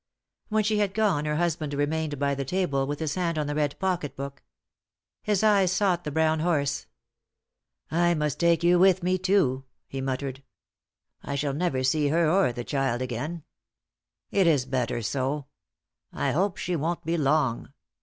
When she had gone her husband remained by the table with his hand on the red pocket book. His eyes sought the brown horse. "I must take you with me, too," he muttered. "I shall never see her or the child again. It is better so; I hope she won't be long."